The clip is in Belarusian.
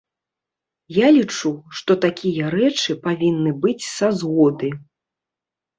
Я лічу, што такія рэчы павінны быць са згоды.